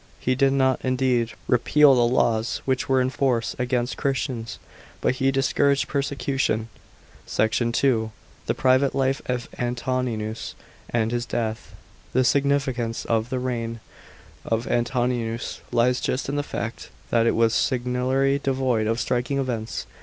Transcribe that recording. He did not indeed repeal the laws which were in force against Christians, but he discouraged persecution.! SECT. II. — THE PRIVATE LIFE OF ANTONINUS, AND HIS DEATH. § 8. The significance of the reign of Antoninus lies just in the fact, that it was singularly devoid of striking events.